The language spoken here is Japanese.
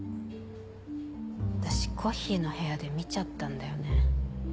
私コッヒーの部屋で見ちゃったんだよね。